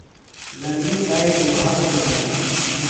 للمی زھائی گُبھا تھےۡ منانہ؟